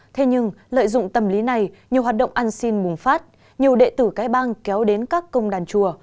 thế nhưng lợi dụng tâm lý này nhiều hoạt động ăn xin bùng phát nhiều đệ tử cái bang kéo đến các công đàn chùa